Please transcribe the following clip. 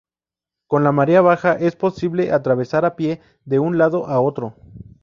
Con la marea baja es posible atravesar a pie de un lado a otro.